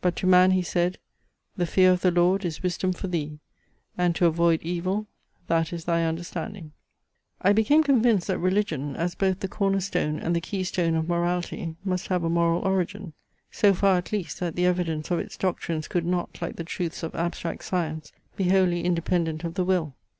But to man he said, The fear of the Lord is wisdom for thee! And to avoid evil, That is thy understanding. I become convinced, that religion, as both the cornerstone and the key stone of morality, must have a moral origin; so far at least, that the evidence of its doctrines could not, like the truths of abstract science, be wholly independent of the will.